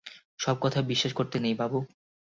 সব কথায় বিশ্বাস করতে নেই, বাবু।